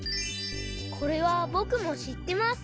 これはぼくもしってます。